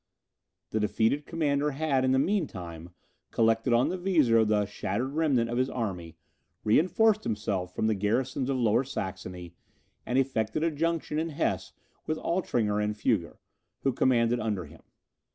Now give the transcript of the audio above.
That defeated commander had, in the mean time, collected on the Weser the shattered remnant of his army, reinforced himself from the garrisons of Lower Saxony, and effected a junction in Hesse with Altringer and Fugger, who commanded under him.